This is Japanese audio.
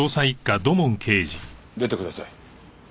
出てください。